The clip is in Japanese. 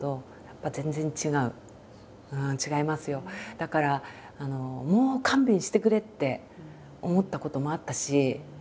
だからもう勘弁してくれって思ったこともあったし。